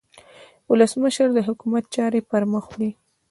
ولسمشر د حکومت چارې پرمخ وړي.